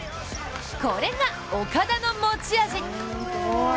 これが岡田の持ち味。